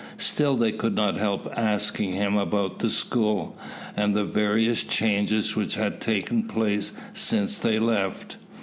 Still they could not help asking him about the school, and the various changes which had taken place since they left.